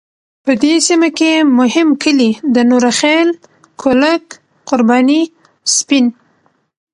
په دې سیمه کې مهم کلی د نوره خیل، کولک، قرباني، سپین .